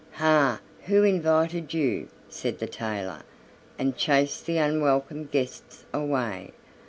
"Ha! who invited you?" said the tailor, and chased the unwelcome guests away.